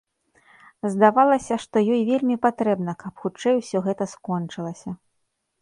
Здавалася, што ёй вельмі патрэбна, каб хутчэй усё гэта скончылася.